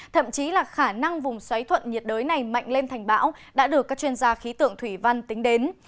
thậm chí là khả năng vùng xoáy thuận nhiệt đới này mạnh lên thành bão đã được các chuyên gia khí tượng thủy văn tính đến